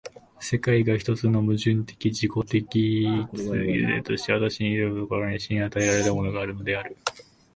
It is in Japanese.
世界が一つの矛盾的自己同一的現在として私に臨む所に、真に与えられたものがあるのである。